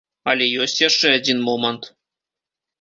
Але ёсць яшчэ адзін момант.